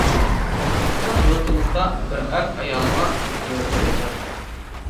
بىزنىڭ يۇرتىمىزدا بىر ئەر ئايالىغا بىر بۆرىكىنى بەردى.